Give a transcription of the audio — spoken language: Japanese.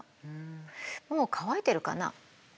もう乾いてるかな？